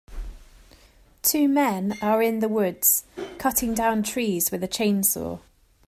Two men are in the woods cutting down trees with a chainsaw.